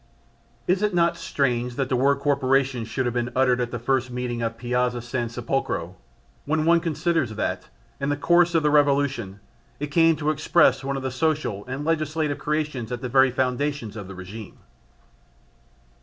Is it not strange that the word corporations should have been uttered at the first meeting of Piazza San Sepolcro, when one considers that, in the course of the Revolution, it came to express one of the social and legislative creations at the very foundations of the regime?